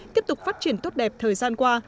tiếp tục phát triển tốt đẹp thời gian qua